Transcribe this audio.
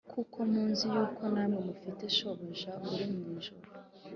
kuko muzi yuko namwe mufite Shobuja uri mu ijuru